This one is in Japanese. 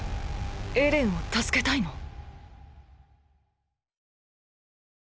エレンを助けたいの？